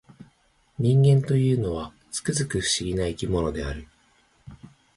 人間というものは、つくづく不思議な生き物である